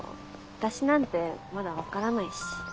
私なんてまだ分からないし。